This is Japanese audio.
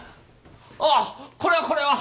ああこれはこれは。